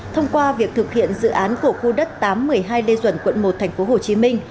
thông qua việc thực hiện dự án cổ khu đất tám trăm một mươi hai lê duẩn quận một tp hcm